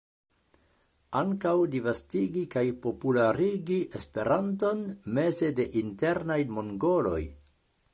Ankaŭ disvastigi kaj popularigi Esperanton meze de internaj mongoloj.